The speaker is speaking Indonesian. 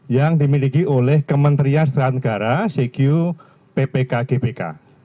yang dimiliki oleh kementerian setelah negara cq ppkgpk